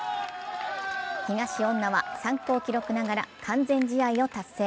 東恩納は参考記録ながら完全試合を達成。